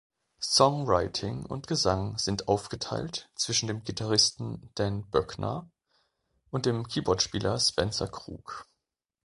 Songwriting und Gesang sind aufgeteilt zwischen dem Gitarristen Dan Boeckner und dem Keyboardspieler Spencer Krug.